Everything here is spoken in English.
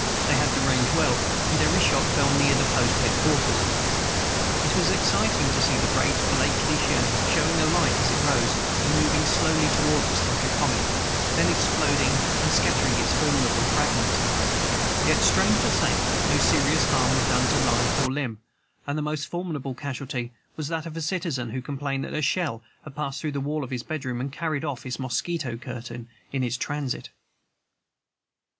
They had the range well, and every shot fell near the post headquarters. It was exciting to see the great Blakely shell, showing a light as it rose, and moving slowly towards us like a comet, then exploding and scattering its formidable fragments. Yet, strange to say, no serious harm was done to life or limb, and the most formidable casualty was that of a citizen who complained that a shell had passed through the wall of his bedroom, and carried off his mosquito curtain in its transit.